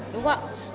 đúng không ạ